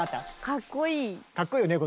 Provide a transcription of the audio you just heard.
かっこいいよね